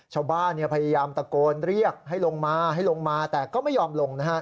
ชาวบ้านพยายามตะโกนเรียกให้ลงมาให้ลงมาแต่ก็ไม่ยอมลง